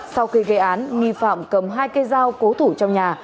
sau khi gây án nghi phạm cầm hai cây dao cố thủ trong nhà